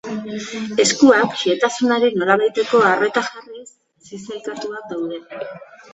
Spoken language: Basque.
Eskuak, xehetasunari nolabaiteko arreta jarriz zizelkatuak daude.